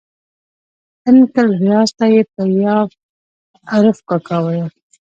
انکل ریاض ته یې په ي عرف کاکا ویل.